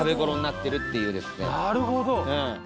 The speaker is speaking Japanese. なるほど。